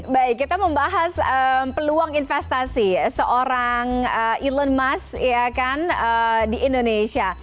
baik kita membahas peluang investasi seorang elon musk di indonesia